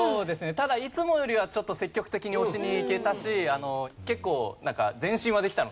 ただいつもよりはちょっと積極的に押しにいけたし結構前進はできたのかなって思ってます。